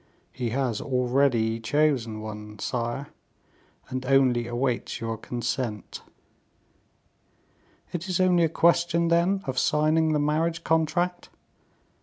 "He has already chosen one, sire, and only awaits your consent." "It is only a question, then, of signing the marriage contract?"